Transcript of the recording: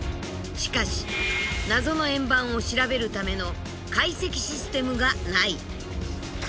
しかし謎の円盤を調べるための解析システムがない。